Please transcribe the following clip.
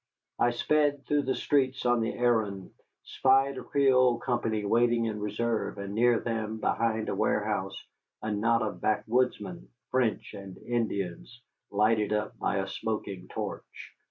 I sped through the streets on the errand, spied a Creole company waiting in reserve, and near them, behind a warehouse, a knot of backwoodsmen, French, and Indians, lighted up by a smoking torch.